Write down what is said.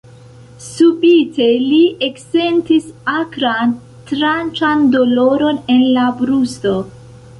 Subite li eksentis akran, tranĉan doloron en la brusto.